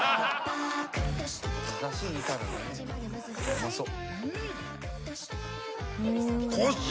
うまそう。